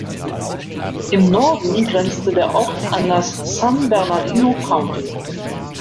Im Norden grenzte der Ort an das San Bernardino County.